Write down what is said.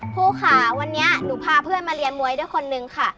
ครูค่ะวันนี้หนูพาเพื่อนมาเรียนมวยด้วยคนนึงค่ะ